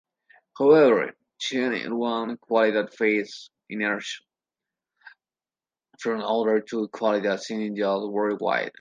However, change in one quality faces inertia from other two qualities in Indian worldview.